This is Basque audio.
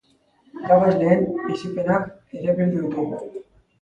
Irabazleen bizipenak ere bildu ditugu.